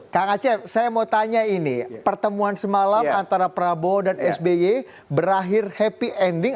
kang acep saya mau tanya ini pertemuan semalam antara prabowo dan sby berakhir happy ending